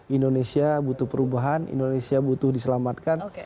indonesia butuh perubahan indonesia butuh diselamatkan